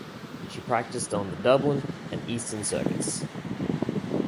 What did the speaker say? She practised on the Dublin and Eastern circuits.